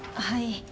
はい。